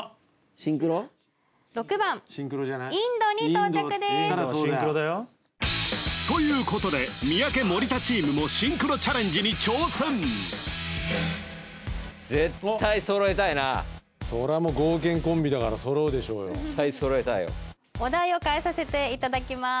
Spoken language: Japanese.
シンクロだよということで三宅森田チームもシンクロチャレンジに挑戦絶対揃えたいなそれはもう剛健コンビだから揃うでしょうよ絶対揃えたいよお題を変えさせていただきます